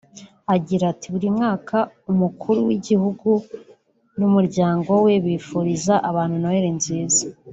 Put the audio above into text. Agira ati“Buri mwaka umukuru w’igihugu n’umuryango we bifuriza abana Noheli nziza